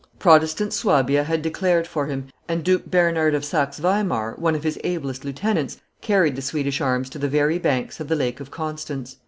Protestant Suabia had declared for him, and Duke Bernard of Saxe Weimar, one of his ablest lieute ants, carried the Swedish arms to the very banks of the Lake of Constance.